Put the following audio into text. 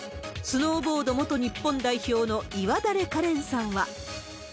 スノーボード元日本代表の岩垂かれんさんは。